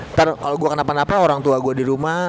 ntar kalau gue kenapa napa orang tua gue di rumah